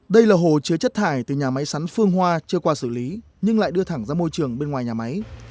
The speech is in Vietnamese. đây là hồ chứa chất thải từ nhà máy sắn phương hoa chưa qua xử lý nhưng lại đưa thẳng ra môi trường bên ngoài nhà máy